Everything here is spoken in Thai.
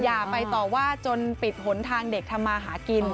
อย่าไปต่อว่าจนปิดหนทางเด็กทำมาหากิน